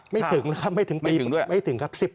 ไม่ถึงนะครับไม่ถึงปีไม่ถึงครับ